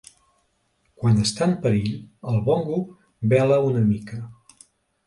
Quan està en perill, el bongo bela una mica.